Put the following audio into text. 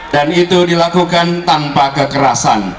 dan itu dilakukan tanpa kekerasan